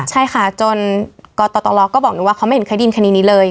ใช่ค่ะจนกตรก็บอกหนูว่าเขาไม่เห็นเคยได้ยินคดีนี้เลย